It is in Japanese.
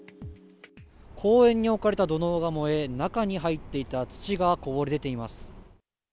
公園に置かれた土のうが燃え、中に入っていた土がこぼれ出ています。